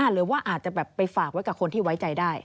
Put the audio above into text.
หรือว่าอาจจะแบบไปฝากไว้กับคนที่ไว้ใจได้